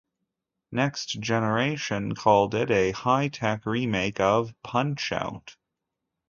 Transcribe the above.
"Next Generation" called it a "high-tech" remake of "Punch-Out!!